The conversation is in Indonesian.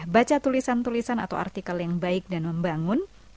baca tulisan tulisan atau artikel yang baik dan membangun